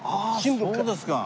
あっそうですか。